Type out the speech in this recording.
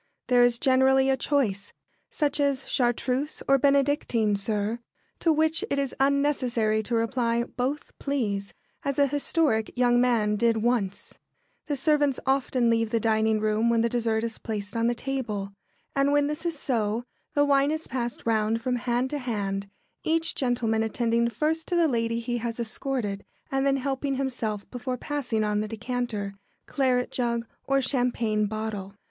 There is generally a choice, such as "Chartreuse or Bénèdictine, sir?" to which it is unnecessary to reply, "Both, please," as a historic young man did once. [Sidenote: Passing the wines.] The servants often leave the dining room when the dessert is placed on the table, and when this is so, the wine is passed round from hand to hand, each gentleman attending first to the lady he has escorted and then helping himself before passing on the decanter, claret jug, or champagne bottle.